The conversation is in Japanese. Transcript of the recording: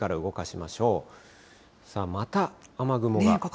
また雨雲が。